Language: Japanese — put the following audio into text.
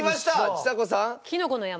ちさ子さん。